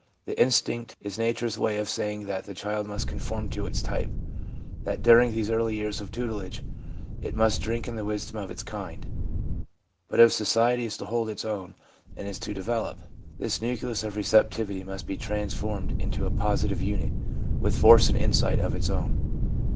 This instinct is nature's way of saying that the child must conform to its type ; that during these early years of tutelage it must drink in the wisdom of its kind. But if society is to hold its own and is to develop, this nucleus of receptivity must be transformed into a positive unit, with force and insight of its own.